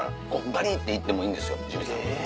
ガリって行ってもいいんですよジミーさん。